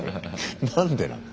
何でなの？